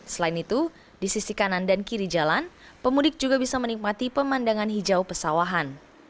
selain itu di sisi kanan dan kiri jalan pemudik juga bisa menikmati pemandangan hijau pesawahan